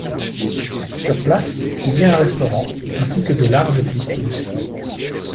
Sur place, il y a un restaurant ainsi que de larges pistes de ski.